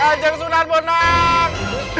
ajak sunan purnang